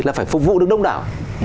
là phải phục vụ được đông đảo